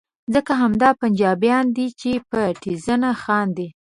ځکه همدا پنجابیان دي چې په ټیز نه خاندي.